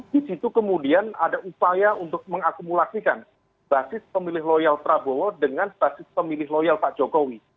di situ kemudian ada upaya untuk mengakumulasikan basis pemilih loyal prabowo dengan basis pemilih loyal pak jokowi